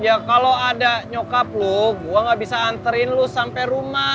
ya kalau ada nyokap loh gue gak bisa anterin lu sampai rumah